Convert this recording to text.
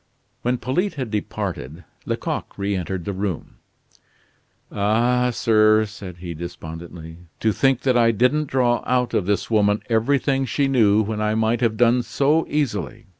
When Polyte had departed, Lecoq reentered the room. "Ah, sir," said he, despondently, "to think that I didn't draw out of this woman everything she knew, when I might have done so easily.